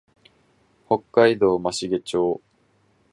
北海道増毛町